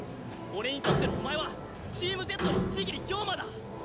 俺にとってのお前はチームＺの千切豹馬だ！